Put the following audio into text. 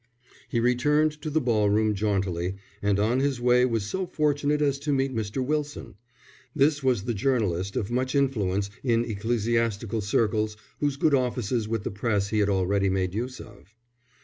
_" He returned to the ball room jauntily, and on his way was so fortunate as to meet Mr. Wilson. This was the journalist of much influence in ecclesiastical circles whose good offices with the press he had already made use of.